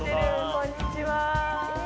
こんにちは。